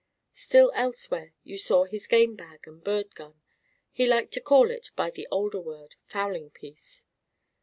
Still elsewhere you saw his game bag and bird gun he liked to call it by the older word, fowling piece.